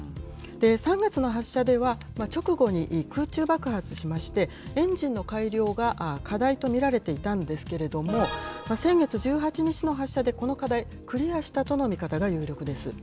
３月の発射では、直後に空中爆発しまして、エンジンの改良が課題と見られていたんですけれども、先月１８日の発射でこの課題、クリアしたとの見方が有力です。